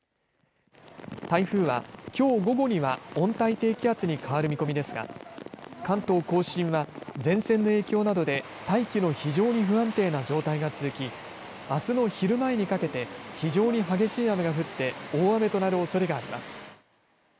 台風は、きょう午後には温帯低気圧に変わる見込みですが関東甲信は前線の影響などで大気の非常に不安定な状態が続きあすの昼前にかけて非常に激しい雨が降って大雨となるおそれがあります。